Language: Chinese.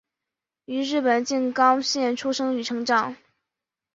于日本静冈县出生与成长。